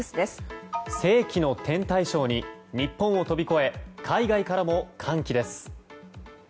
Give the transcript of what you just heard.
世紀の天体ショーに日本を飛び越え海外からも歓喜です。